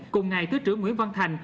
cùng ngày thứ trưởng nguyễn văn thành